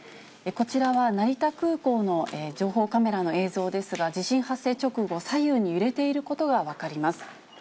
こちらは成田空港の情報カメラの映像ですが、地震発生直後、左右に揺れていることが分かります。